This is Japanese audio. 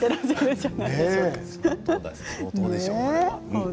相当でしょうね。